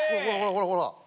ほらほら。